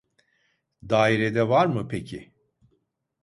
Dairede var mı peki ?